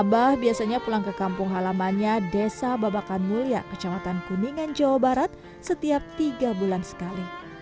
abah biasanya pulang ke kampung halamannya desa babakan mulia kecamatan kuningan jawa barat setiap tiga bulan sekali